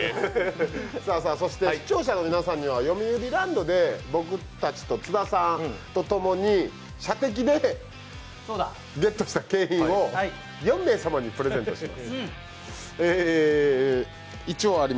視聴者の皆さんには僕たちと津田さんと共に射的でゲットした景品を４名様にプレゼントします。